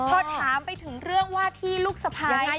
พอถามไปถึงเรื่องว่าที่ลูกสะพ้าย